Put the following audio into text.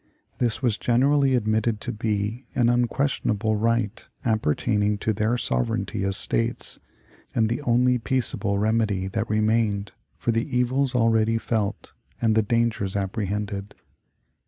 This was generally admitted to be an unquestionable right appertaining to their sovereignty as States, and the only peaceable remedy that remained for the evils already felt and the dangers apprehended.